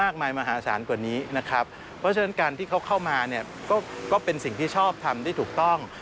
ก็เป็นสิ่งที่ชอบทำที่ถูกต้อง